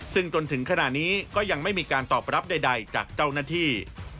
ซึ่งจนถึงขณะนี้ก็ยังไม่มีการตอบรับใดจากเจ้าหน้าที่